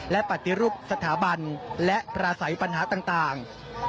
และปฏิรูปสถาบันและปราศัยปัญหาต่าง